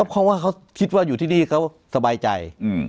เพราะว่าเขาคิดว่าอยู่ที่นี่เขาสบายใจ